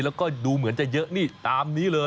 แล้วก็ดูเหมือนจะเยอะนี่ตามนี้เลย